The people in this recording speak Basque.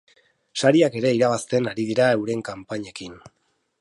Sariak ere irabazten ari dira euren kanpainekin.